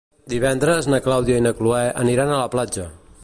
Divendres na Clàudia i na Cloè aniran a la platja.